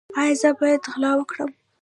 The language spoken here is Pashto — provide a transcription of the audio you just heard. ایا زه باید غلا وکړم؟